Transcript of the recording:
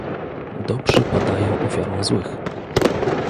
Dobrzy padają ofiarą złych